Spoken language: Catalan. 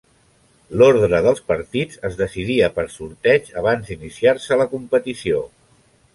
L'ordre dels partits es decidia per sorteig abans d'iniciar-se la competició.